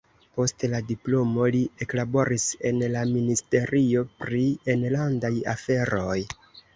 Post la diplomo li eklaboris en la ministerio pri enlandaj aferoj.